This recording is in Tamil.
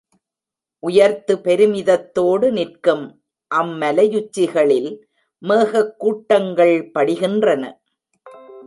உயர்த்து பெருமிதத்தோடு நிற்கும் அம் மலையுச்சிகளில் மேகக் கூட்டங்கள் படிகின்றன.